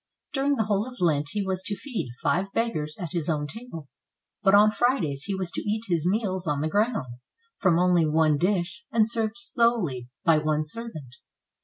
During the whole of Lent he was to feed five beggars at his own table ; but on Fridays he was to eat his meals on the ground, from only one dish, and served solely by one servant.